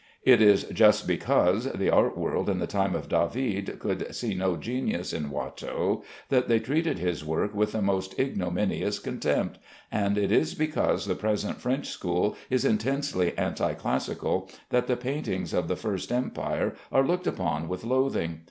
It is just because the art world in the time of David could see no genius in Watteau that they treated his work with the most ignominious contempt, and it is because the present French school is intensely anticlassical that the paintings of the first Empire are looked upon with loathing.